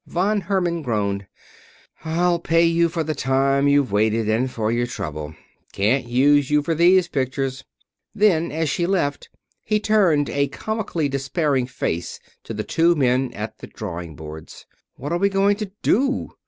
Von Herman groaned. "I'll pay you for the time you've waited and for your trouble. Can't use you for these pictures." Then as she left he turned a comically despairing face to the two men at the drawing boards. "What are we going to do?